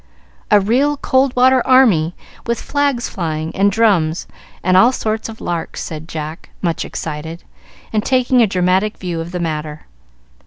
A real Cold Water Army, with flags flying, and drums, and all sorts of larks," said Jack, much excited, and taking a dramatic view of the matter.